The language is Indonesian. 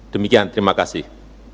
demikian terima kasih